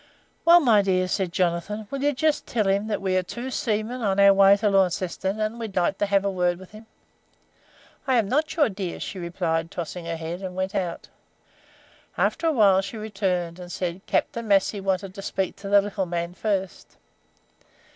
"'Well, my dear,' said Jonathan, 'will you just tell him that we are two seamen on our way to Launceston, and we'd like to have a word with him.' "'I am not your dear,' she replied, tossing her head, and went out. After a while she returned, and said: 'Captain Massey wanted to speak to the little man first.'